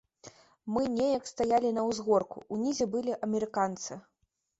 Мы неяк стаялі на ўзгорку, унізе былі амерыканцы.